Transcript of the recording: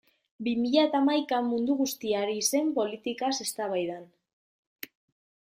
Bi mila eta hamaikan mundu guztia ari zen politikaz eztabaidan.